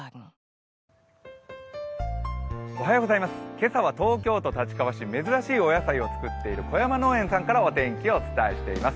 今朝は東京都立川市、珍しいお野菜を作っている小山農園さんからお天気をお伝えしています。